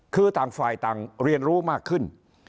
คือต่างฝ่ายต่างเรียนรู้มากขึ้น